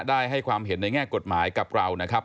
ให้ความเห็นในแง่กฎหมายกับเรานะครับ